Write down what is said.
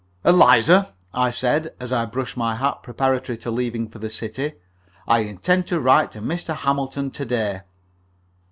"Eliza," I said, as I brushed my hat preparatory to leaving for the city, "I intend to write to Mr. Hamilton to day."